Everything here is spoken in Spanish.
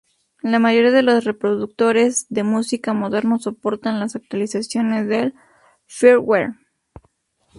La mayoría de los reproductores de música modernos soportan las actualizaciones del "firmware".